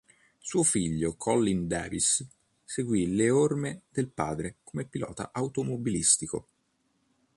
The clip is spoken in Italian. Suo figlio Colin Davis seguì le orme del padre come pilota automobilistico.